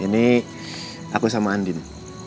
ini aku sama andin